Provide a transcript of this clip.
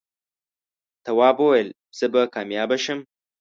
تواب وويل: زه به کامیابه شم.